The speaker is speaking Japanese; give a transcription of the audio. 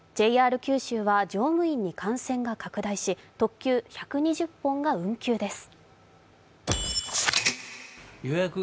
ＪＲ九州は乗務員に感染が拡大し特急１２０本が運休です。